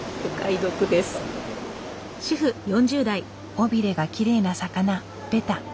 尾ビレがきれいな魚ベタ。